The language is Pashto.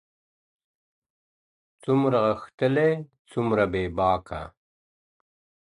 څومره غښتلی څومره بېباکه.